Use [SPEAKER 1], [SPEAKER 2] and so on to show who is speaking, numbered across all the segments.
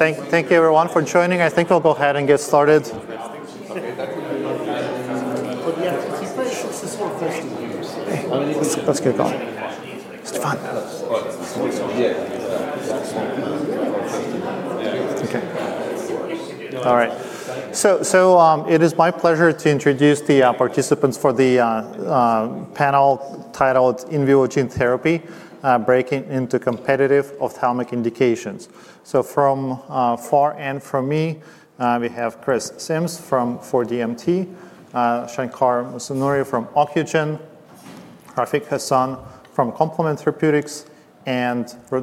[SPEAKER 1] Thank you, everyone, for joining. I think we'll go ahead and get started.
[SPEAKER 2] Okay, that's a good one. If I should just say first thing first, I mean. Let's get going. It's fun. Yeah, yeah, yeah.
[SPEAKER 1] All right. It is my pleasure to introduce the participants for the panel titled In Vivo Gene Therapy: Breaking into Competitive Ophthalmic Indications. From far end from me, we have Chris Simms from 4D Molecular Therapeutics, Shankar Musunuri from Occugen, Rafiq Hassan from Complement Therapeutics, and Stéphane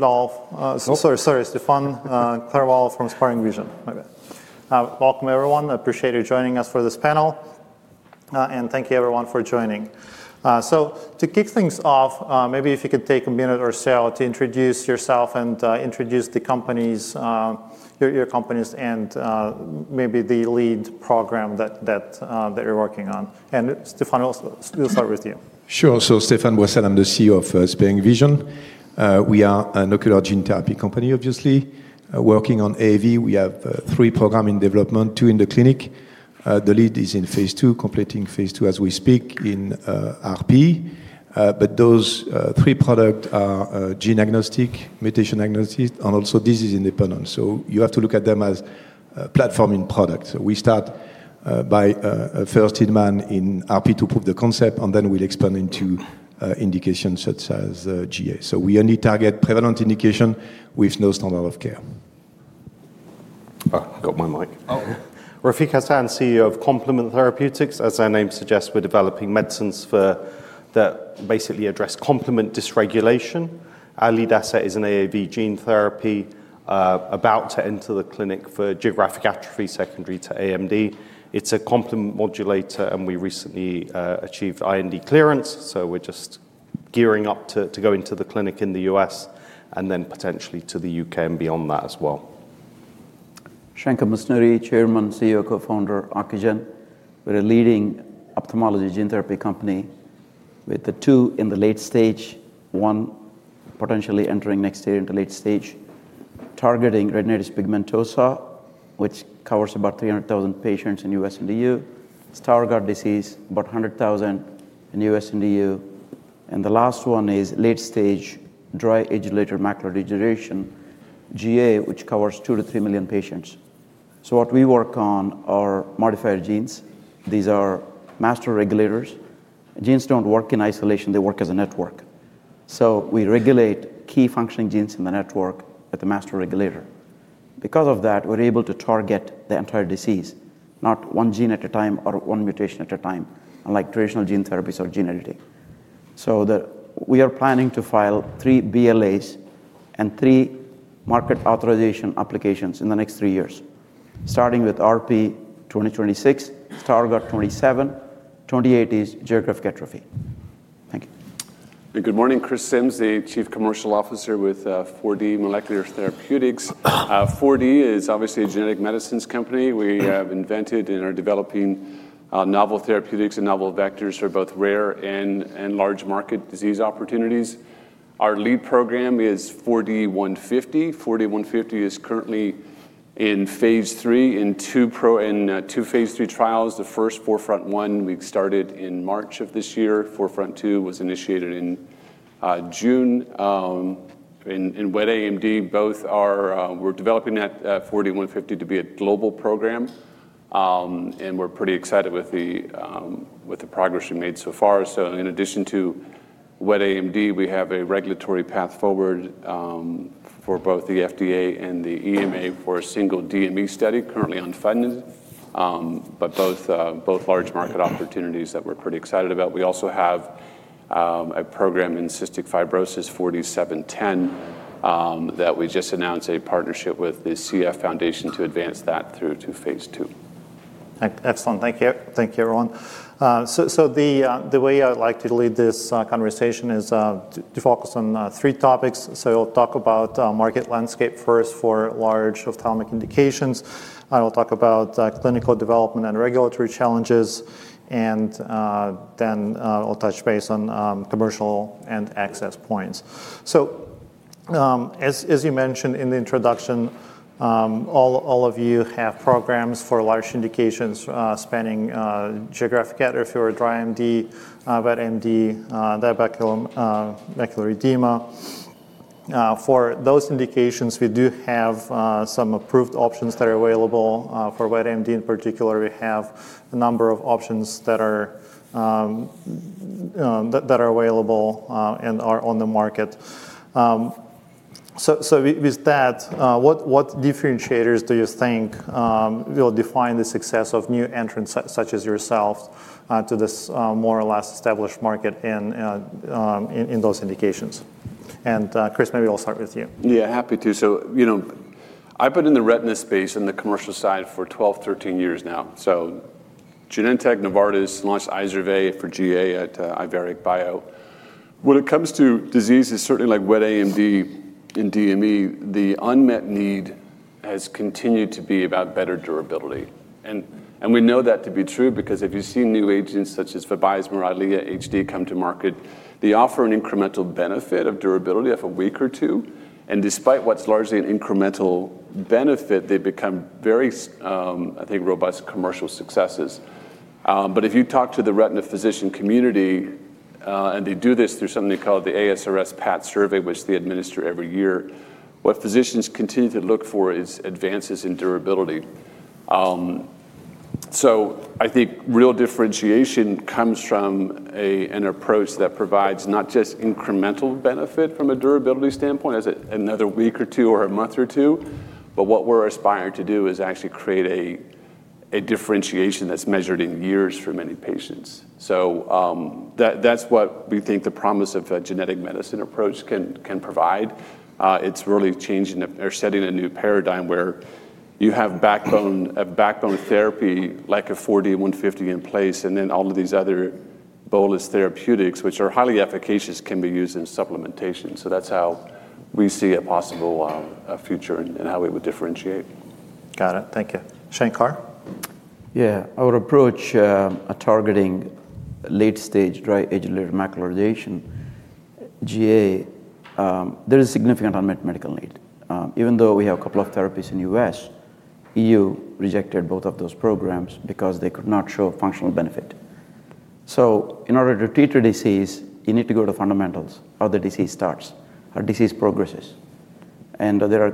[SPEAKER 1] Boissel from SparingVision. Welcome, everyone. I appreciate you joining us for this panel. Thank you, everyone, for joining. To kick things off, maybe if you could take a minute or so to introduce yourself and introduce your companies and maybe the lead program that you're working on. Stéphane, we'll start with you.
[SPEAKER 2] Sure. Stéphane Boissel, I'm the CEO of SparingVision. We are an ocular gene therapy company, obviously, working on AAV. We have three programs in development, two in the clinic. The lead is in phase two, completing phase two as we speak in retinitis pigmentosa. Those three products are gene-agnostic, mutation-agnostic, and also disease-independent. You have to look at them as platforming products. We start by first in man in retinitis pigmentosa to prove the concept, and then we'll expand into indications such as geographic atrophy. We only target prevalent indications with no standard of care.
[SPEAKER 3] Oh, I got my mic. Rafiq Hassan, CEO of Complement Therapeutics. As our name suggests, we're developing medicines that basically address complement dysregulation. Our lead asset is an AAV-based complement modulator gene therapy about to enter the clinic for geographic atrophy secondary to AMD. It's a complement modulator, and we recently achieved IND clearance. We're just gearing up to go into the clinic in the U.S. and then potentially to the U.K. and beyond that as well.
[SPEAKER 4] Shankar Musunuri, Chairman, CEO, Co-founder, Occugen. We're a leading ophthalmology gene therapy company with two in the late stage, one potentially entering next year into late stage, targeting retinitis pigmentosa, which covers about 300,000 patients in the U.S. and the EU. Stargardt disease, about 100,000 in the U.S. and the EU. The last one is late stage dry age-related macular degeneration, GA, which covers 2-3 million patients. What we work on are modifier genes. These are master regulators. Genes don't work in isolation; they work as a network. We regulate key functioning genes in the network with a master regulator. Because of that, we're able to target the entire disease, not one gene at a time or one mutation at a time, unlike traditional gene therapies or gene editing. We are planning to file three BLAs and three market authorization applications in the next three years, starting with RP 2026, Stargardt 2027, and 2028 is geographic atrophy. Thank you.
[SPEAKER 5] Good morning. Chris Simms, the Chief Commercial Officer with 4D Molecular Therapeutics. 4D is obviously a genetic medicines company. We have invented and are developing novel therapeutics and novel vectors for both rare and large market disease opportunities. Our lead program is 4D-150. 4D-150 is currently in phase three in two phase three trials. The first Forefront 1 we started in March of this year. Forefront 2 was initiated in June. In wet AMD, we are developing 4D-150 to be a global program. We are pretty excited with the progress we made so far. In addition to wet AMD, we have a regulatory path forward for both the FDA and the EMA for a single DME study currently on funding, but both large market opportunities that we are pretty excited about. We also have a program in cystic fibrosis, 4D-710, that we just announced a partnership with the CF Foundation to advance that through to phase two.
[SPEAKER 1] Excellent. Thank you, everyone. The way I'd like to lead this conversation is to focus on three topics. I'll talk about market landscape first for large ophthalmic indications, then I'll talk about clinical development and regulatory challenges, and then I'll touch base on commercial and access points. As you mentioned in the introduction, all of you have programs for large indications spanning geographic atrophy or dry AMD, wet AMD, and diabetic macular edema. For those indications, we do have some approved options that are available. For wet AMD in particular, we have a number of options that are available and are on the market. With that, what differentiators do you think will define the success of new entrants such as yourself to this more or less established market in those indications? Chris, maybe I'll start with you.
[SPEAKER 5] Yeah, happy to. You know, I've been in the retina space on the commercial side for 12, 13 years now. Genentech, Novartis, and last IZERVAY for GA at Iveric Bio. When it comes to diseases, certainly like wet AMD and DME, the unmet need has continued to be about better durability. We know that to be true because if you see new agents such as Eylea and HD come to market, they offer an incremental benefit of durability of a week or two. Despite what's largely an incremental benefit, they become very, I think, robust commercial successes. If you talk to the retina physician community, and they do this through something they call the ASRS PAT survey, which they administer every year, what physicians continue to look for is advances in durability. I think real differentiation comes from an approach that provides not just incremental benefit from a durability standpoint, as another week or two or a month or two, but what we're aspiring to do is actually create a differentiation that's measured in years for many patients. That's what we think the promise of a genetic medicine approach can provide. It's really changing or setting a new paradigm where you have backbone therapy like a 4D-150 in place, and then all of these other bolus therapeutics, which are highly efficacious, can be used in supplementation. That's how we see a possible future and how we would differentiate.
[SPEAKER 1] Got it. Thank you. Shankar?
[SPEAKER 4] Yeah, our approach at targeting late stage dry age-related macular degeneration, GA, there is a significant unmet medical need. Even though we have a couple of therapies in the U.S., EMA rejected both of those programs because they could not show functional benefit. In order to treat a disease, you need to go to fundamentals, how the disease starts, how disease progresses. There are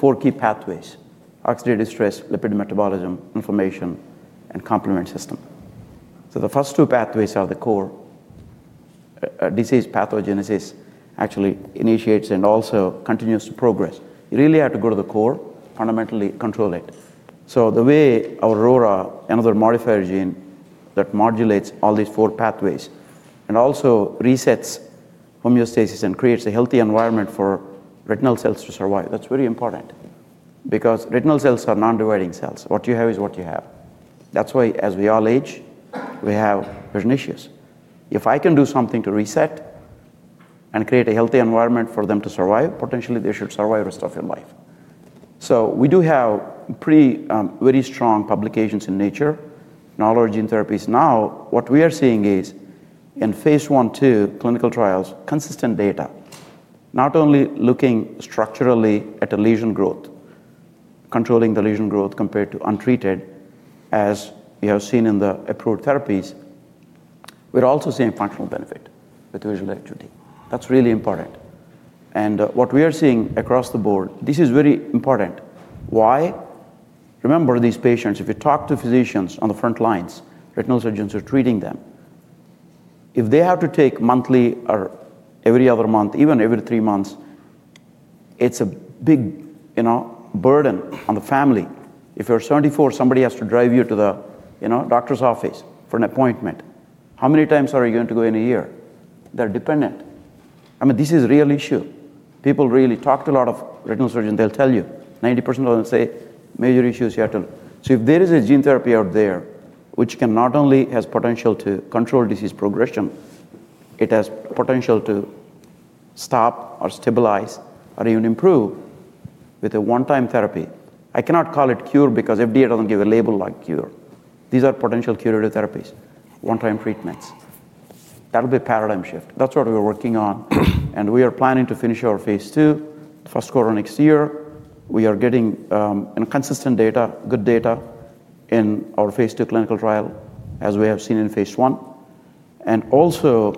[SPEAKER 4] four key pathways: oxidative stress, lipid metabolism, inflammation, and complement system. The first two pathways are the core. Disease pathogenesis actually initiates and also continues to progress. You really have to go to the core, fundamentally control it. The way Aurora, another modifier gene that modulates all these four pathways, and also resets homeostasis and creates a healthy environment for retinal cells to survive. That's very important because retinal cells are non-dividing cells. What you have is what you have. That's why, as we all age, we have retinitious. If I can do something to reset and create a healthy environment for them to survive, potentially they should survive the rest of their life. We do have very strong publications in Nature in all our gene therapies. Now, what we are seeing is in phase one, two, clinical trials, consistent data, not only looking structurally at a lesion growth, controlling the lesion growth compared to untreated, as we have seen in the approved therapies, we're also seeing functional benefit with visual acuity. That's really important. What we are seeing across the board, this is very important. Why? Remember, these patients, if you talk to physicians on the front lines, retinal surgeons who are treating them, if they have to take monthly or every other month, even every three months, it's a big burden on the family. If you're 74, somebody has to drive you to the doctor's office for an appointment. How many times are you going to go in a year? They're dependent. This is a real issue. People really talk to a lot of retinal surgeons. They'll tell you 90% of them say major issues here. If there is a gene therapy out there which can not only have potential to control disease progression, it has potential to stop or stabilize or even improve with a one-time therapy. I cannot call it cure because FDA doesn't give a label like cure. These are potential curative therapies, one-time treatments. That'll be a paradigm shift. That's what we're working on. We are planning to finish our phase two the first quarter next year. We are getting consistent data, good data in our phase two clinical trial, as we have seen in phase one. Also,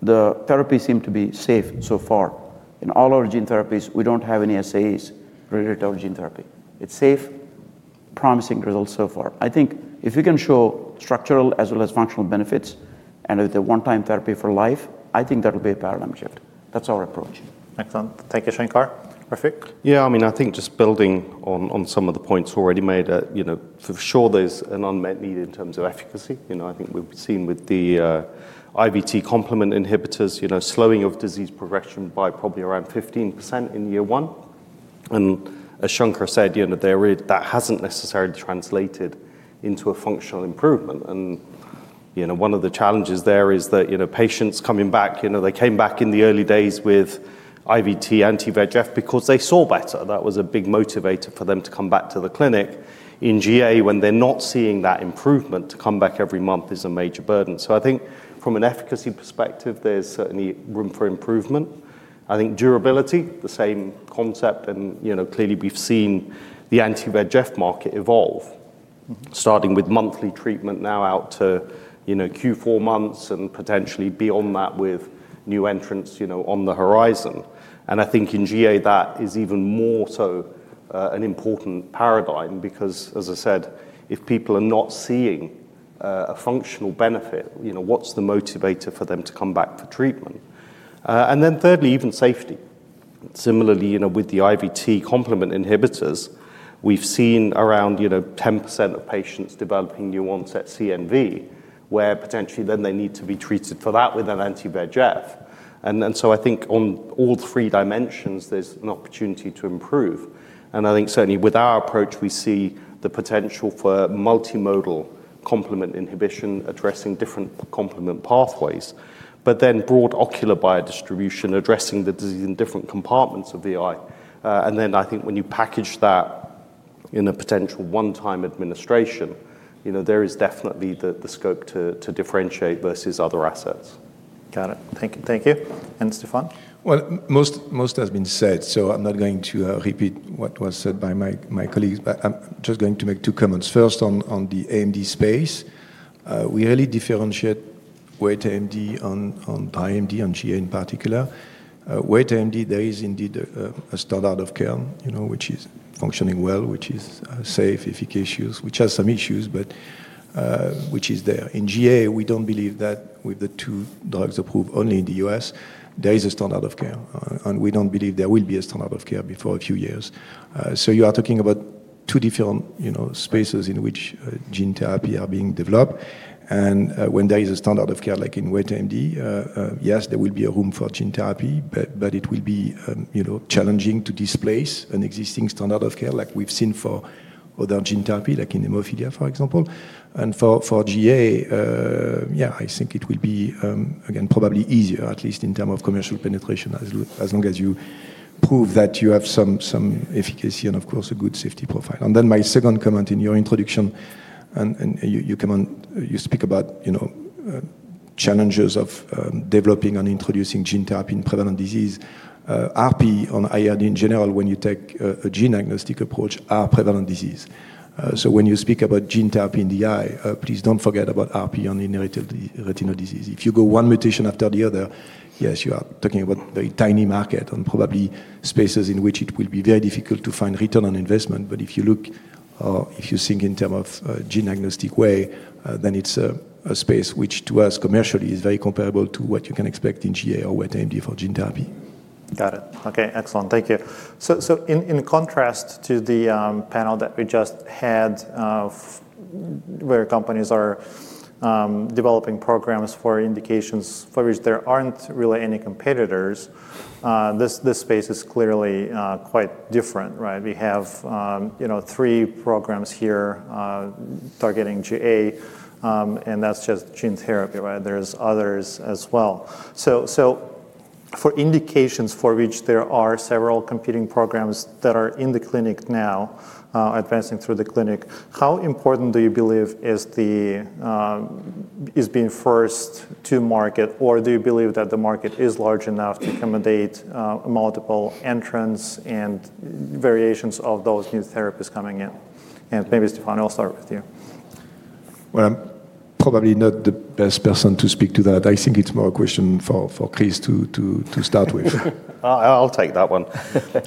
[SPEAKER 4] the therapies seem to be safe so far. In all our gene therapies, we don't have any SAEs related to our gene therapy. It's safe, promising results so far. I think if you can show structural as well as functional benefits and with a one-time therapy for life, I think that'll be a paradigm shift. That's our approach.
[SPEAKER 1] Excellent. Thank you, Shankar. Rafiq?
[SPEAKER 3] Yeah, I mean, I think just building on some of the points already made, for sure, there's an unmet need in terms of efficacy. I think we've seen with the IVT complement inhibitors, slowing of disease progression by probably around 15% in year one. As Shankar said, that hasn't necessarily translated into a functional improvement. One of the challenges there is that patients coming back, they came back in the early days with IVT anti-VEGF because they saw better. That was a big motivator for them to come back to the clinic. In geographic atrophy, when they're not seeing that improvement, to come back every month is a major burden. I think from an efficacy perspective, there's certainly room for improvement. I think durability, the same concept, and clearly we've seen the anti-VEGF market evolve, starting with monthly treatment now out to Q4 months and potentially beyond that with new entrants on the horizon. I think in geographic atrophy, that is even more so an important paradigm because, as I said, if people are not seeing a functional benefit, what's the motivator for them to come back for treatment? Thirdly, even safety. Similarly, with the IVT complement inhibitors, we've seen around 10% of patients developing new onset CNV, where potentially then they need to be treated for that with an anti-VEGF. I think on all three dimensions, there's an opportunity to improve. I think certainly with our approach, we see the potential for multimodal complement inhibition addressing different complement pathways, but then broad ocular biodistribution addressing the disease in different compartments of the eye. I think when you package that in a potential one-time administration, there is definitely the scope to differentiate versus other assets.
[SPEAKER 1] Got it. Thank you. And Stéphane?
[SPEAKER 2] Most has been said, so I'm not going to repeat what was said by my colleagues, but I'm just going to make two comments. First, on the AMD space, we really differentiate wet AMD and dry AMD, on GA in particular. Wet AMD, there is indeed a standard of care, which is functioning well, which is safe, which has some issues, but which is there. In GA, we don't believe that with the two drugs approved only in the U.S., there is a standard of care, and we don't believe there will be a standard of care before a few years. You are talking about two different spaces in which gene therapy are being developed. When there is a standard of care, like in wet AMD, yes, there will be a room for gene therapy, but it will be challenging to displace an existing standard of care, like we've seen for other gene therapy, like in hemophilia, for example. For GA, I think it will be, again, probably easier, at least in terms of commercial penetration, as long as you prove that you have some efficacy and, of course, a good safety profile. My second comment, in your introduction, you speak about challenges of developing and introducing gene therapy in prevalent disease. RP and IRD in general, when you take a gene-agnostic approach, are prevalent disease. When you speak about gene therapy in the eye, please don't forget about RP and inherited retinal disease. If you go one mutation after the other, you are talking about a very tiny market and probably spaces in which it will be very difficult to find return on investment. If you look or if you think in terms of a gene-agnostic way, then it's a space which, to us, commercially, is very comparable to what you can expect in GA or wet AMD for gene therapy.
[SPEAKER 1] Got it. Okay, excellent. Thank you. In contrast to the panel that we just had, where companies are developing programs for indications for which there aren't really any competitors, this space is clearly quite different. We have three programs here targeting GA, and that's just gene therapy. There are others as well. For indications for which there are several competing programs that are in the clinic now, advancing through the clinic, how important do you believe is being first to market, or do you believe that the market is large enough to accommodate multiple entrants and variations of those new therapies coming in? Maybe, Stéphane, I'll start with you.
[SPEAKER 2] I'm probably not the best person to speak to that. I think it's more a question for Chris to start with.
[SPEAKER 3] I'll take that one.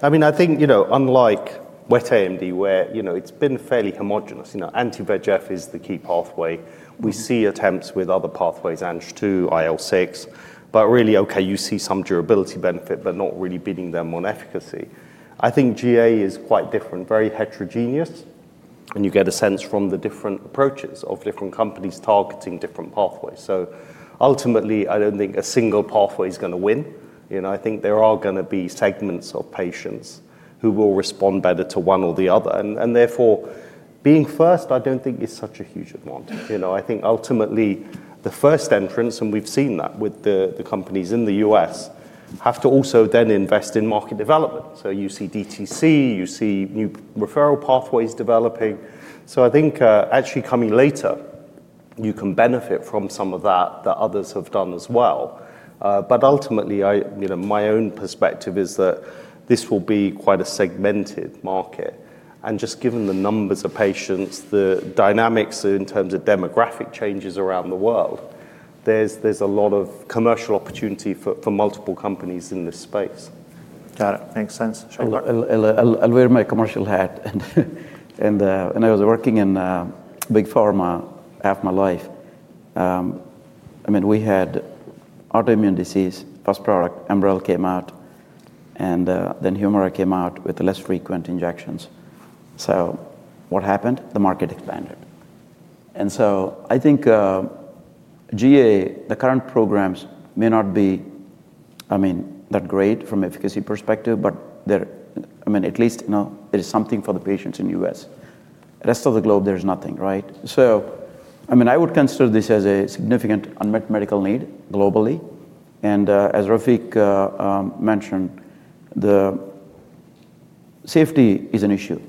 [SPEAKER 3] I mean, I think unlike wet AMD, where it's been fairly homogenous, anti-VEGF is the key pathway. We see attempts with other pathways, ANG2, IL-6, but really, you see some durability benefit, but not really beating them on efficacy. I think GA is quite different, very heterogeneous, and you get a sense from the different approaches of different companies targeting different pathways. Ultimately, I don't think a single pathway is going to win. I think there are going to be segments of patients who will respond better to one or the other. Therefore, being first, I don't think is such a huge advantage. I think ultimately, the first entrants, and we've seen that with the companies in the U.S., have to also then invest in market development. You see DTC, you see new referral pathways developing. I think actually coming later, you can benefit from some of that that others have done as well. Ultimately, my own perspective is that this will be quite a segmented market. Just given the numbers of patients, the dynamics in terms of demographic changes around the world, there's a lot of commercial opportunity for multiple companies in this space.
[SPEAKER 1] Got it. Makes sense.
[SPEAKER 4] I'll wear my commercial hat. I was working in big pharma half my life. We had autoimmune disease as a product. Enbrel came out, and then Humira came out with less frequent injections. What happened? The market expanded. I think GA, the current programs may not be that great from an efficacy perspective, but at least there is something for the patients in the U.S. The rest of the globe, there's nothing, right? I would consider this as a significant unmet medical need globally. As Rafiq mentioned, the safety is an issue.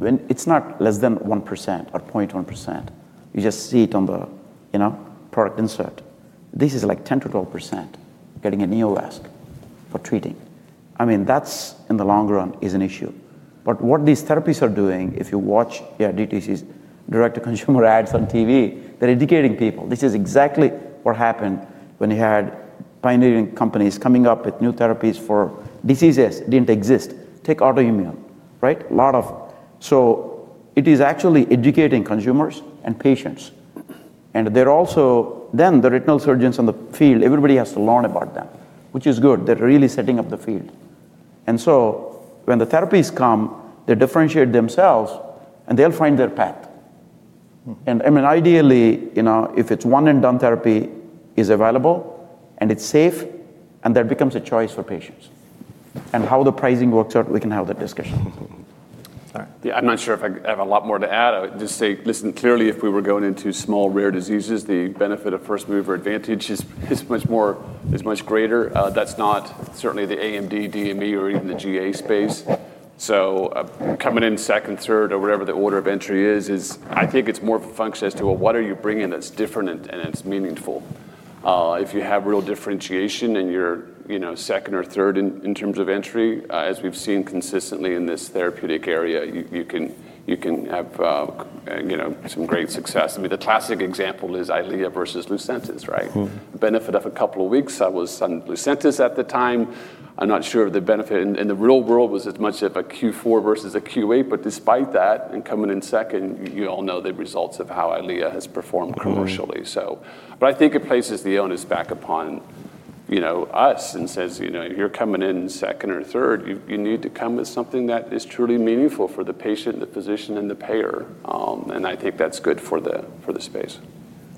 [SPEAKER 4] It's not less than 1% or 0.1%. You just see it on the product insert. This is like 10%-12% getting a neoasp for treating. That in the long run is an issue. What these therapies are doing, if you watch DTCs, direct-to-consumer ads on TV, they're educating people. This is exactly what happened when you had pioneering companies coming up with new therapies for diseases that didn't exist. Take autoimmune, right? A lot of them. It is actually educating consumers and patients. They're also then the retinal surgeons in the field. Everybody has to learn about them, which is good. They're really setting up the field. When the therapies come, they differentiate themselves, and they'll find their path. Ideally, if it's one-and-done therapy is available, and it's safe, and that becomes a choice for patients. How the pricing works out, we can have that discussion.
[SPEAKER 5] I'm not sure if I have a lot more to add. I would just say, listen, clearly, if we were going into small rare diseases, the benefit of first mover advantage is much greater. That's not certainly the AMD, DME, or even the GA space. Coming in second, third, or whatever the order of entry is, I think it's more of a function as to, well, what are you bringing that's different and it's meaningful? If you have real differentiation in your second or third in terms of entry, as we've seen consistently in this therapeutic area, you can have some great success. I mean, the classic example is Eylea versus Lucentis, right? Benefit of a couple of weeks, I was on Lucentis at the time. I'm not sure if the benefit in the real world was as much of a Q4 versus a Q8. Despite that, and coming in second, you all know the results of how Eylea has performed commercially. I think it places the onus back upon us and says, you're coming in second or third, you need to come with something that is truly meaningful for the patient, the physician, and the payer. I think that's good for the space.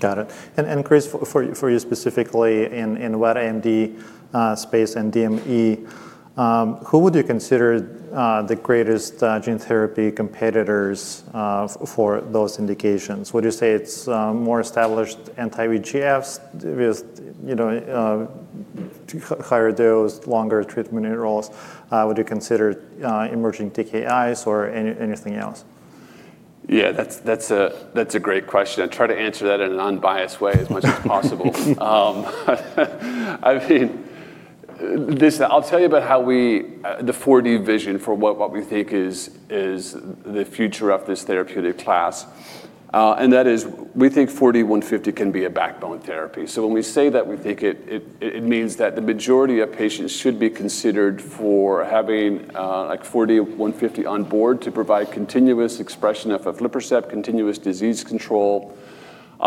[SPEAKER 1] Got it. Chris, for you specifically in wet AMD space and diabetic macular edema, who would you consider the greatest gene therapy competitors for those indications? Would you say it's more established anti-VEGF agents with higher dose, longer treatment intervals? Would you consider emerging DKIs or anything else?
[SPEAKER 5] Yeah, that's a great question. I try to answer that in an unbiased way as much as possible. I'll tell you about how we, the 4D vision for what we think is the future of this therapeutic class. That is, we think 4D-150 can be a backbone therapy. When we say that, we think it means that the majority of patients should be considered for having 4D-150 on board to provide continuous expression of aflibercept, continuous disease control.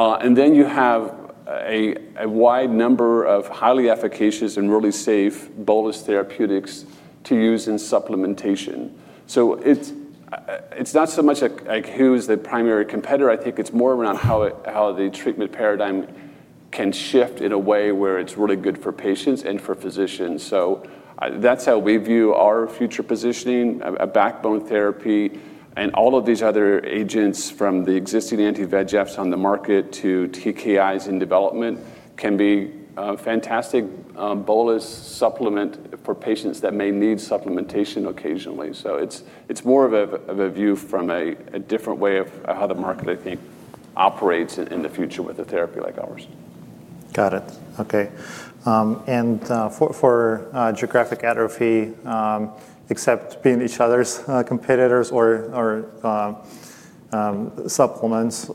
[SPEAKER 5] You have a wide number of highly efficacious and really safe bolus therapeutics to use in supplementation. It's not so much like who's the primary competitor. I think it's more around how the treatment paradigm can shift in a way where it's really good for patients and for physicians. That's how we view our future positioning, a backbone therapy, and all of these other agents from the existing anti-VEGF agents on the market to TKIs in development can be a fantastic bolus supplement for patients that may need supplementation occasionally. It's more of a view from a different way of how the market, I think, operates in the future with a therapy like ours.
[SPEAKER 1] Got it. Okay. For geographic atrophy, except being each other's competitors or supplements,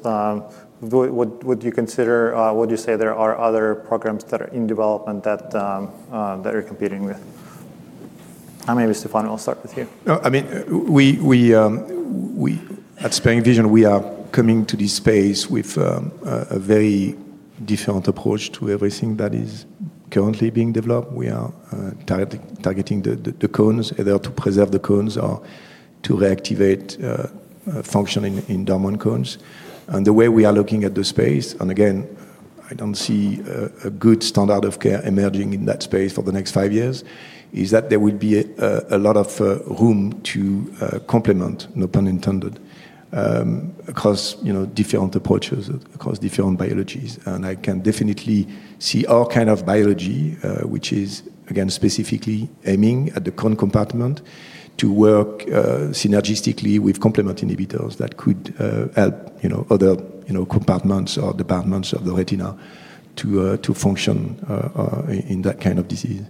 [SPEAKER 1] would you consider, would you say there are other programs that are in development that are competing with? Maybe Stéphane, we'll start with you.
[SPEAKER 2] At SparingVision, we are coming to this space with a very different approach to everything that is currently being developed. We are targeting the cones, either to preserve the cones or to reactivate function in dormant cones. The way we are looking at the space, and again, I don't see a good standard of care emerging in that space for the next five years, is that there will be a lot of room to complement, no pun intended, across different approaches, across different biologies. I can definitely see all kinds of biology, which is, again, specifically aiming at the cone compartment, to work synergistically with complement inhibitors that could help other compartments or departments of the retina to function in that kind of disease.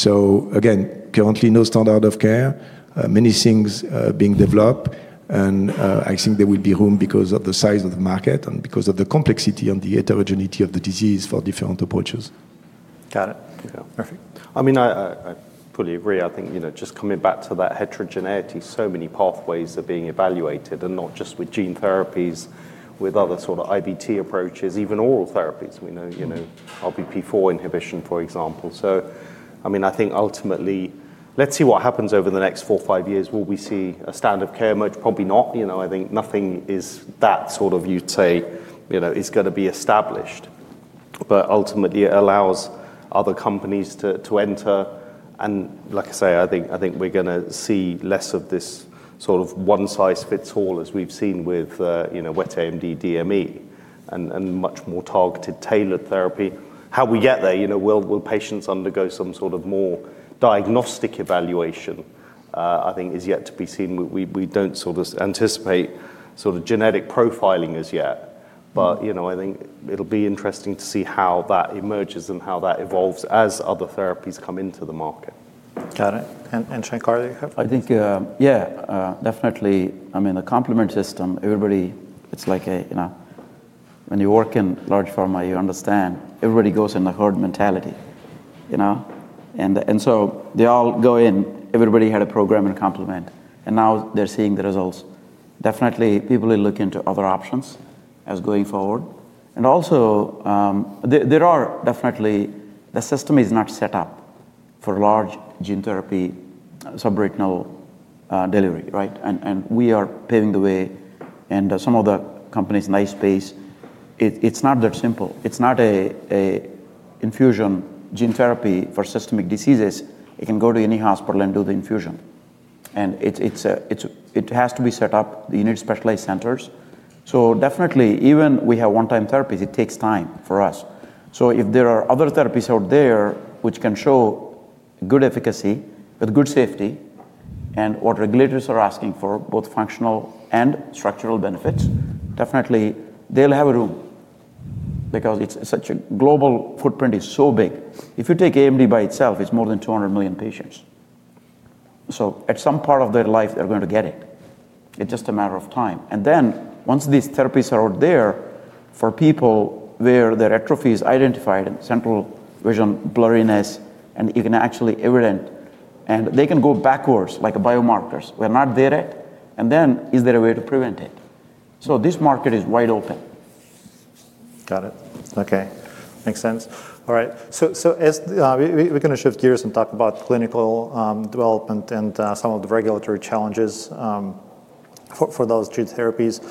[SPEAKER 2] Currently, no standard of care, many things being developed, and I think there will be room because of the size of the market and because of the complexity and the heterogeneity of the disease for different approaches.
[SPEAKER 1] Got it. Perfect.
[SPEAKER 3] I mean, I fully agree. I think just coming back to that heterogeneity, so many pathways are being evaluated and not just with gene therapies, with other sort of IVT approaches, even oral therapies, we know RBP4 inhibition, for example. I think ultimately, let's see what happens over the next four or five years. Will we see a standard of care emerge? Probably not. I think nothing is that sort of, you'd say, is going to be established. Ultimately, it allows other companies to enter. Like I say, I think we're going to see less of this sort of one-size-fits-all as we've seen with wet AMD, DME, and much more targeted tailored therapy. How we get there, will patients undergo some sort of more diagnostic evaluation, I think, is yet to be seen. We don't anticipate sort of genetic profiling as yet. I think it'll be interesting to see how that emerges and how that evolves as other therapies come into the market.
[SPEAKER 1] Got it. Shankar, are you?
[SPEAKER 4] I think, yeah, definitely. I mean, the complement system, everybody, it's like when you work in large pharma, you understand everybody goes in the herd mentality. They all go in, everybody had a program in complement, and now they're seeing the results. Definitely, people will look into other options going forward. There are definitely, the system is not set up for large gene therapy subretinal delivery, right? We are paving the way, and some of the companies in the space, it's not that simple. It's not an infusion gene therapy for systemic diseases. You can go to any hospital and do the infusion. It has to be set up. You need specialized centers. Definitely, even though we have one-time therapies, it takes time for us. If there are other therapies out there which can show good efficacy with good safety and what regulators are asking for, both functional and structural benefits, they'll definitely have a room because it's such a global footprint, it's so big. If you take AMD by itself, it's more than 200 million patients. At some part of their life, they're going to get it. It's just a matter of time. Once these therapies are out there for people where their atrophy is identified in central vision blurriness and you can actually evidence, and they can go backwards like biomarkers. We're not there yet. Is there a way to prevent it? This market is wide open.
[SPEAKER 1] Got it. Okay. Makes sense. All right. As we're going to shift gears and talk about clinical development and some of the regulatory challenges for those gene therapies,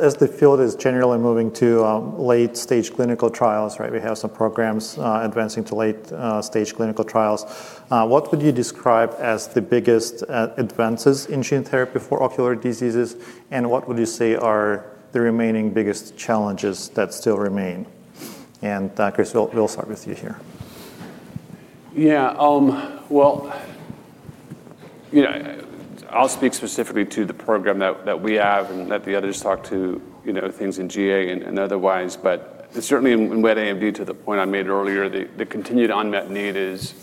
[SPEAKER 1] as the field is generally moving to late-stage clinical trials, we have some programs advancing to late-stage clinical trials. What would you describe as the biggest advances in gene therapy for ocular diseases? What would you say are the remaining biggest challenges that still remain? Chris, we'll start with you here.
[SPEAKER 5] Yeah. I'll speak specifically to the program that we have and that the others talk to, things in geographic atrophy and otherwise. Certainly, in wet age-related macular degeneration, to the point I made earlier, the continued unmet need is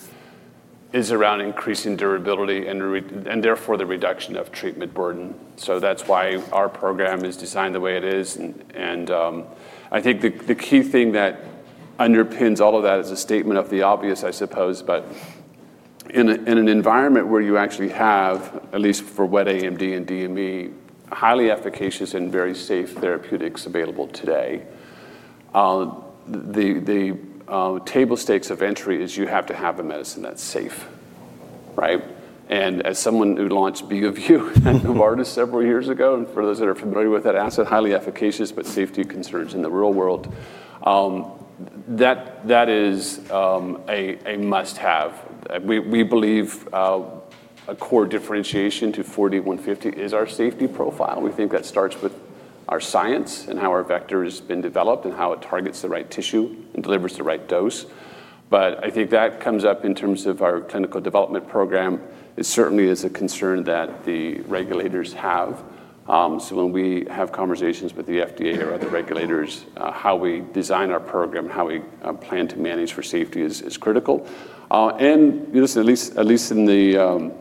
[SPEAKER 5] around increasing durability and therefore the reduction of treatment burden. That's why our program is designed the way it is. I think the key thing that underpins all of that is a statement of the obvious, I suppose. In an environment where you actually have, at least for wet age-related macular degeneration and diabetic macular edema, highly efficacious and very safe therapeutics available today, the table stakes of entry is you have to have a medicine that's safe, right? As someone who launched Beovu at Novartis several years ago, and for those that are familiar with that asset, highly efficacious, but safety concerns in the real world, that is a must-have. We believe a core differentiation to 4D-150 is our safety profile. We think that starts with our science and how our vector has been developed and how it targets the right tissue and delivers the right dose. I think that comes up in terms of our clinical development program. It certainly is a concern that the regulators have. When we have conversations with the FDA or other regulators, how we design our program, how we plan to manage for safety is critical. At least in the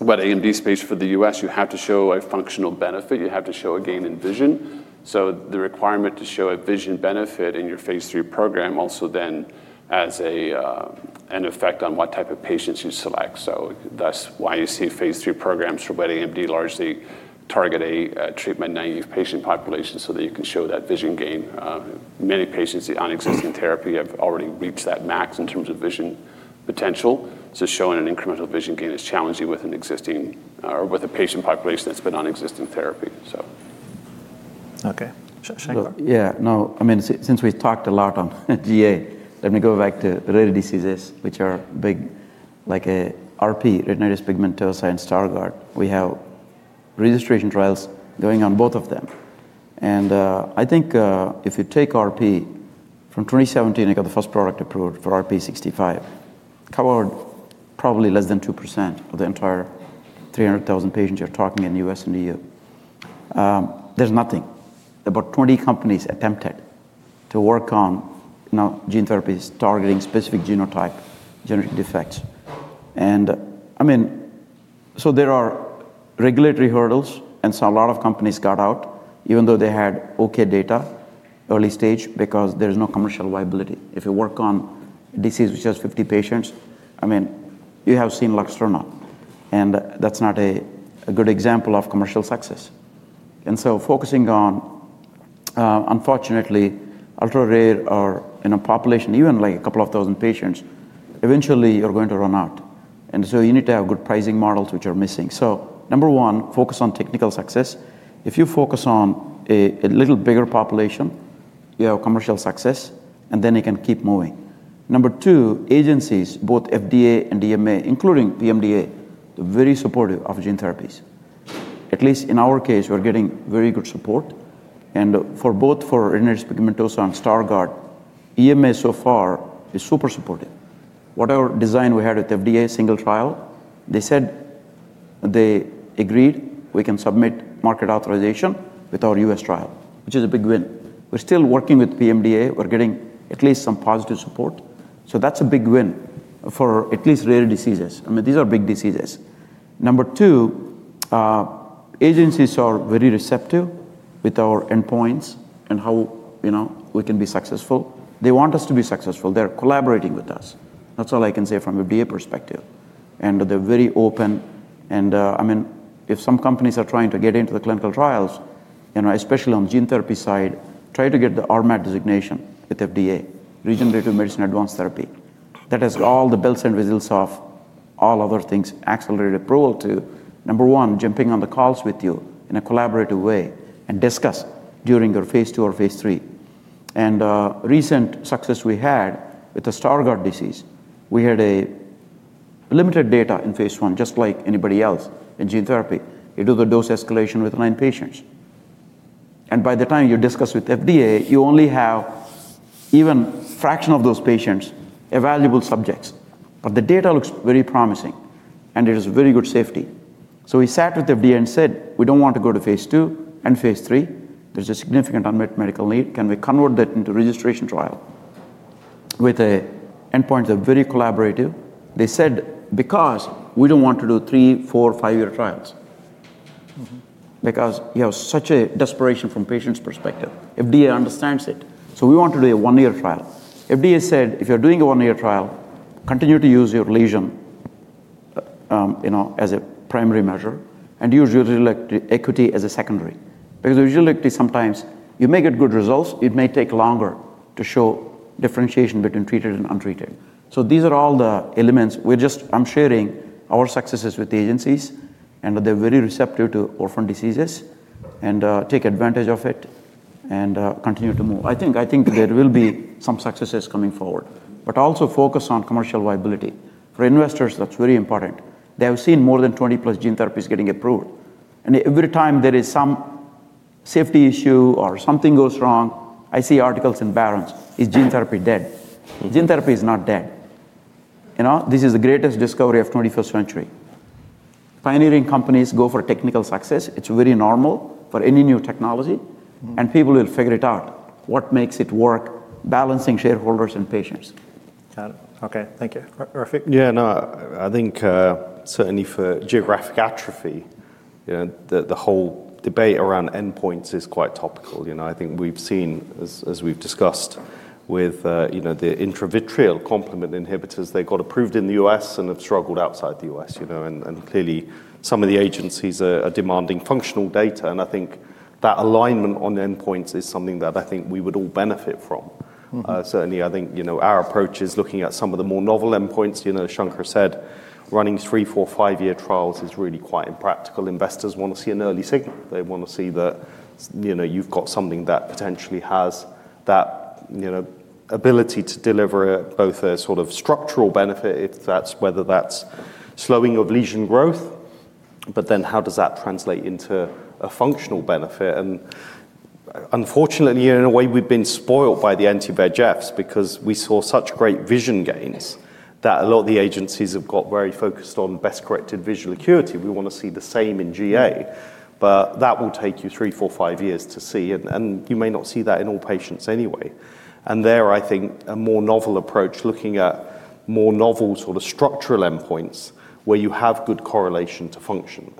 [SPEAKER 5] wet age-related macular degeneration space for the U.S., you have to show a functional benefit. You have to show a gain in vision. The requirement to show a vision benefit in your phase 3 program also then has an effect on what type of patients you select. That's why you see phase 3 programs for wet age-related macular degeneration largely target a treatment-naive patient population so that you can show that vision gain. Many patients on existing therapy have already reached that max in terms of vision potential. Showing an incremental vision gain is challenging with an existing or with a patient population that's been on existing therapy.
[SPEAKER 1] Okay. Shankar?
[SPEAKER 4] Yeah. No, I mean, since we talked a lot on GA, let me go back to the rare diseases, which are big, like, RP, retinitis pigmentosa and Stargardt. We have registration trials going on both of them. I think if you take RP, from 2017, I got the first product approved for RP65, covered probably less than 2% of the entire 300,000 patients you're talking in the U.S. and the EU. There's nothing. About 20 companies attempted to work on gene therapies targeting specific genotype, genetic defects. There are regulatory hurdles, and a lot of companies got out, even though they had okay data early stage because there's no commercial viability. If you work on a disease which has 50 patients, I mean, you have seen Luxturna. That's not a good example of commercial success. Focusing on, unfortunately, ultra rare or in a population, even like a couple of thousand patients, eventually you're going to run out. You need to have good pricing models which are missing. Number one, focus on technical success. If you focus on a little bigger population, you have commercial success, and then you can keep moving. Number two, agencies, both FDA and EMA, including VMDA, are very supportive of gene therapies. At least in our case, we're getting very good support. For both retinitis pigmentosa and Stargardt, EMA so far is super supportive. Whatever design we had with FDA, single trial, they said they agreed we can submit market authorization with our U.S. trial, which is a big win. We're still working with VMDA. We're getting at least some positive support. That's a big win for at least rare diseases. I mean, these are big diseases. Number two, agencies are very receptive with our endpoints and how we can be successful. They want us to be successful. They're collaborating with us. That's all I can say from a VA perspective. They're very open. If some companies are trying to get into the clinical trials, especially on the gene therapy side, try to get the RMAT designation with FDA, Regenerative Medicine Advanced Therapy. That has all the bells and whistles of all other things, accelerated approval to, number one, jumping on the calls with you in a collaborative way and discuss during your phase two or phase three. Recent success we had with the Stargardt disease, we had limited data in phase one, just like anybody else in gene therapy. You do the dose escalation with nine patients. By the time you discuss with FDA, you only have even a fraction of those patients, a valuable subject. The data looks very promising, and it is very good safety. We sat with FDA and said, we don't want to go to phase two and phase three. There's a significant unmet medical need. Can we convert that into a registration trial with endpoints that are very collaborative? They said, we don't want to do three, four, five-year trials, because you have such a desperation from a patient's perspective. FDA understands it. We want to do a one-year trial. FDA said, if you're doing a one-year trial, continue to use your lesion as a primary measure and use usual activity as a secondary. Usual activity, sometimes you may get good results. It may take longer to show differentiation between treated and untreated. These are all the elements. I'm sharing our successes with the agencies, and they're very receptive to orphan diseases. Take advantage of it and continue to move. I think there will be some successes coming forward. Also focus on commercial viability. For investors, that's very important. They have seen more than 20+ gene therapies getting approved. Every time there is some safety issue or something goes wrong, I see articles in Barron's, is gene therapy dead? Gene therapy is not dead. This is the greatest discovery of the 21st century. Pioneering companies go for technical success. It's very normal for any new technology. People will figure it out. What makes it work? Balancing shareholders and patients.
[SPEAKER 1] Got it. Okay. Thank you. Rafiq?
[SPEAKER 3] Yeah, no, I think certainly for geographic atrophy, the whole debate around endpoints is quite topical. I think we've seen, as we've discussed, with the intravitreal complement inhibitors, they got approved in the U.S. and have struggled outside the U.S. Clearly, some of the agencies are demanding functional data. I think that alignment on endpoints is something that I think we would all benefit from. Certainly, I think our approach is looking at some of the more novel endpoints. Shankar said, running three, four, five-year trials is really quite impractical. Investors want to see an early signal. They want to see that you've got something that potentially has that ability to deliver both a sort of structural benefit, whether that's slowing of lesion growth. How does that translate into a functional benefit? Unfortunately, in a way, we've been spoiled by the anti-VEGF agents because we saw such great vision gains that a lot of the agencies have got very focused on best-corrected visual acuity. We want to see the same in GA. That will take you three, four, five years to see. You may not see that in all patients anyway. There, I think a more novel approach looking at more novel sort of structural endpoints where you have good correlation to function.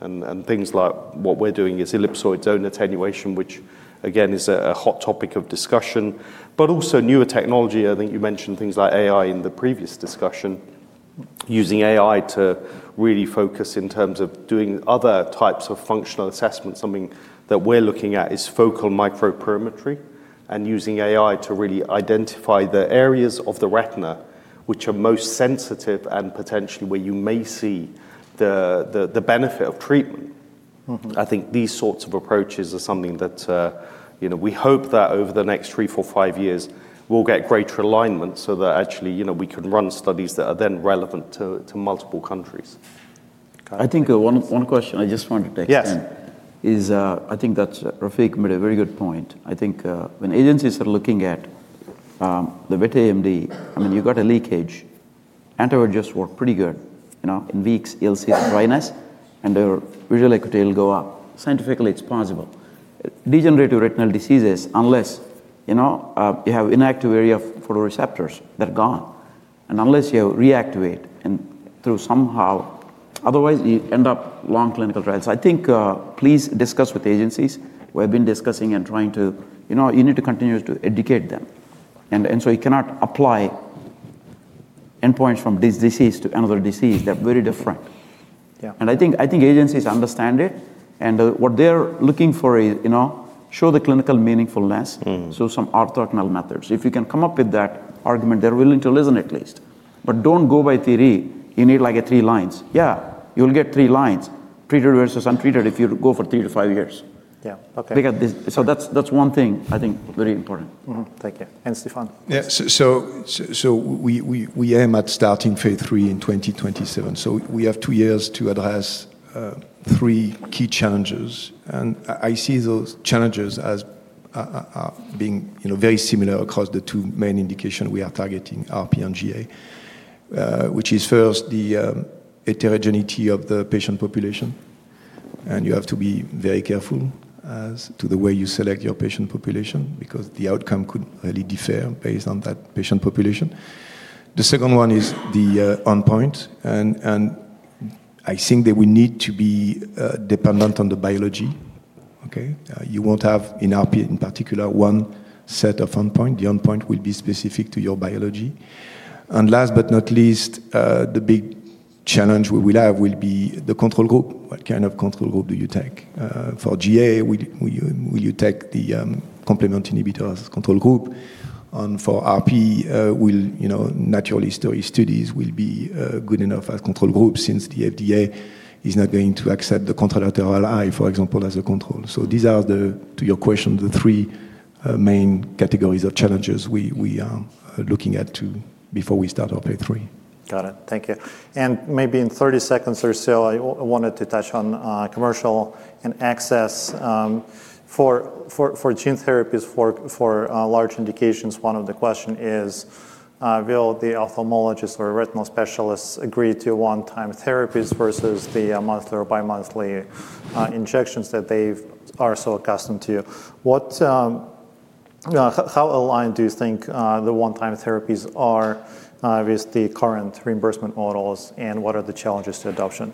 [SPEAKER 3] Things like what we're doing is ellipsoid zone attenuation, which again is a hot topic of discussion. Also, newer technology, I think you mentioned things like AI in the previous discussion, using AI to really focus in terms of doing other types of functional assessments. Something that we're looking at is focal microperimetry and using AI to really identify the areas of the retina which are most sensitive and potentially where you may see the benefit of treatment. I think these sorts of approaches are something that we hope that over the next three, four, five years, we'll get greater alignment so that actually we can run studies that are then relevant to multiple countries.
[SPEAKER 4] I think one question I just wanted to expand is I think that Rafiq made a very good point. I think when agencies are looking at the wet AMD, I mean, you've got a leakage. Anti-VEGF agents work pretty good. In weeks, you'll see dryness and your visual acuity will go up. Scientifically, it's possible. Degenerative retinal diseases, unless you have inactive area of photoreceptors, they're gone. Unless you reactivate and through somehow, otherwise you end up long clinical trials. Please discuss with agencies who have been discussing and trying to, you need to continue to educate them. You cannot apply endpoints from this disease to another disease. They're very different. I think agencies understand it. What they're looking for is show the clinical meaningfulness through some orthogonal methods. If you can come up with that argument, they're willing to listen at least. Don't go by theory. You need like three lines. Yeah, you'll get three lines, treated versus untreated if you go for three to five years. Yeah, okay. That's one thing I think very important.
[SPEAKER 1] Thank you. And Stéphane?
[SPEAKER 2] Yeah, we aim at starting phase three in 2027. We have two years to address three key challenges. I see those challenges as being very similar across the two main indications we are targeting, RP and GA, which is first the heterogeneity of the patient population. You have to be very careful as to the way you select your patient population because the outcome could really differ based on that patient population. The second one is the endpoint. I think that we need to be dependent on the biology. You won't have in RP in particular one set of endpoint. The endpoint will be specific to your biology. Last but not least, the big challenge we will have will be the control group. What kind of control group do you take? For GA, will you take the complement inhibitors control group? For RP, naturally, studies will be good enough as control group since the FDA is not going to accept the contralateral eye, for example, as a control. These are, to your question, the three main categories of challenges we are looking at before we start our phase three.
[SPEAKER 1] Got it. Thank you. Maybe in 30 seconds or so, I wanted to touch on commercial and access for gene therapies for large indications. One of the questions is, will the ophthalmologist or retinal specialists agree to one-time therapies versus the monthly or bi-monthly injections that they are so accustomed to? How aligned do you think the one-time therapies are with the current reimbursement models? What are the challenges to adoption?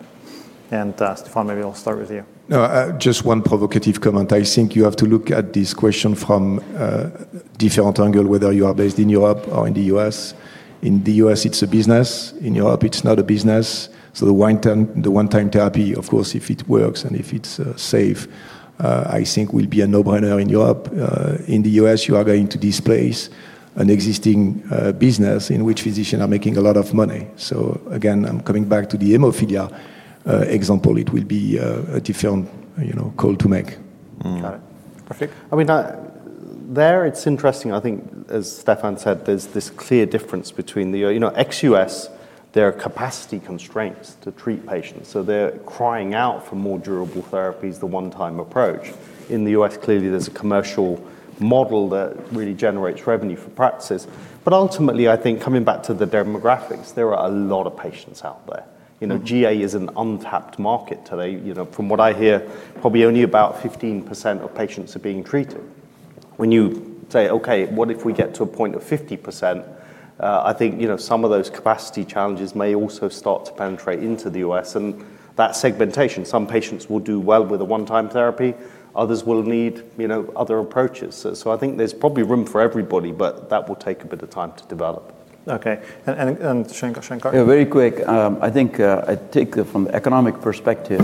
[SPEAKER 1] Stefan, maybe I'll start with you.
[SPEAKER 2] Just one provocative comment. I think you have to look at this question from a different angle, whether you are based in Europe or in the U.S. In the U.S., it's a business. In Europe, it's not a business. The one-time therapy, of course, if it works and if it's safe, I think will be a no-brainer in Europe. In the U.S., you are going to displace an existing business in which physicians are making a lot of money. I am coming back to the hemophilia example. It will be a different call to make.
[SPEAKER 1] Got it. Rafiq?
[SPEAKER 3] I mean, it's interesting. I think, as Stéphane said, there's this clear difference between the U.S. and their capacity constraints to treat patients. They're crying out for more durable therapies, the one-time approach. In the U.S., clearly there's a commercial model that really generates revenue for practices. Ultimately, I think coming back to the demographics, there are a lot of patients out there. GA is an untapped market today. From what I hear, probably only about 15% of patients are being treated. When you say, okay, what if we get to a point of 50%? I think some of those capacity challenges may also start to penetrate into the U.S. That segmentation, some patients will do well with a one-time therapy. Others will need other approaches. I think there's probably room for everybody, but that will take a bit of time to develop.
[SPEAKER 1] Okay. Shankar?
[SPEAKER 4] Yeah, very quick. I think I take from the economic perspective,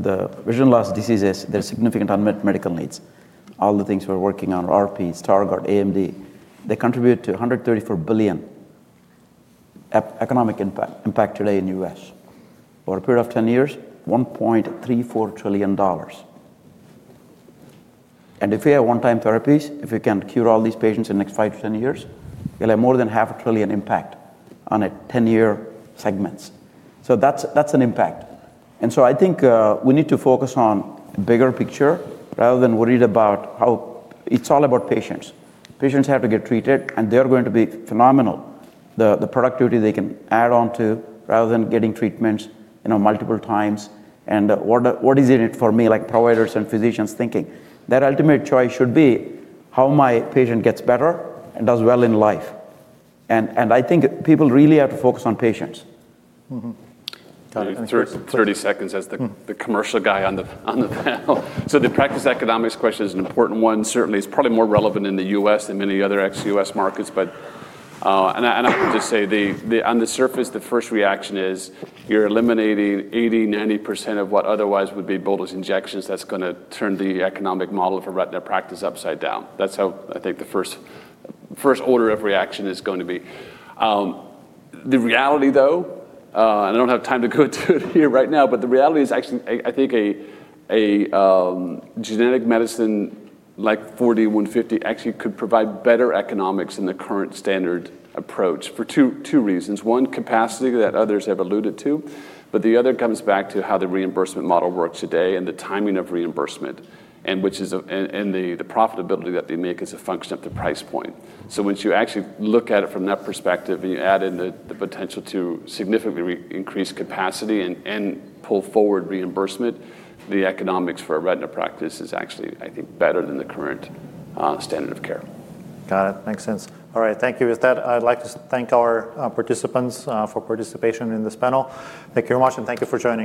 [SPEAKER 4] the vision loss diseases, there's significant unmet medical needs. All the things we're working on, RP, Stargardt, AMD, they contribute to $134 billion economic impact today in the U.S. Over a period of 10 years, $1.34 trillion. If we have one-time therapies, if we can cure all these patients in the next five to 10 years, we'll have more than half a trillion impact on a 10-year segment. That's an impact. I think we need to focus on a bigger picture rather than worry about how it's all about patients. Patients have to get treated, and they're going to be phenomenal. The productivity they can add onto rather than getting treatments multiple times. What is in it for me, like providers and physicians thinking? Their ultimate choice should be how my patient gets better and does well in life. I think people really have to focus on patients.
[SPEAKER 1] Got it.
[SPEAKER 5] In 30 seconds, as the commercial guy on the panel. The practice economics question is an important one. Certainly, it's probably more relevant in the U.S. than many other ex-U.S. markets. I would just say on the surface, the first reaction is you're eliminating 80%-90% of what otherwise would be bolus injections. That's going to turn the economic model of a retina practice upside down. That's how I think the first order of reaction is going to be. The reality, though, and I don't have time to go through it here right now, is actually, I think a genetic medicine like 4D-150 actually could provide better economics than the current standard approach for two reasons. One, capacity that others have alluded to. The other comes back to how the reimbursement model works today and the timing of reimbursement and the profitability that they make as a function of the price point. Once you actually look at it from that perspective and you add in the potential to significantly increase capacity and pull forward reimbursement, the economics for a retina practice is actually, I think, better than the current standard of care.
[SPEAKER 1] Got it. Makes sense. All right. Thank you. With that, I'd like to thank our participants for participation in this panel. Thank you very much, and thank you for joining.